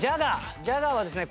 ジャガーはですね